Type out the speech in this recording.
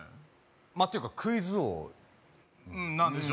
まあていうかクイズ王なんでしょ？